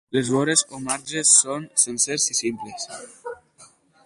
Les vores o marges són sencers i simples.